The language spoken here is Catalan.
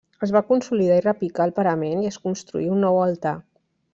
Es va consolidar i repicar el parament i es construí un nou altar.